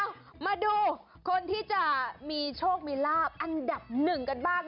มาดูคนที่จะมีโชคมีลาบอันดับหนึ่งกันบ้าง